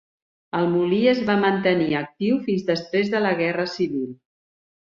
El molí es va mantenir actiu fins després de la Guerra Civil.